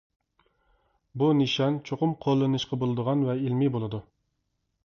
بۇ نىشان چوقۇم قوللىنىشقا بولىدىغان ۋە ئىلمىي بولىدۇ.